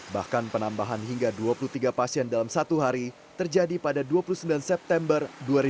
bahkan penambahan hingga dua puluh tiga pasien dalam satu hari terjadi pada dua puluh sembilan september dua ribu dua puluh